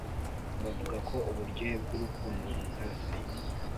Bavuga ko uburyohe bwurukundo bukaze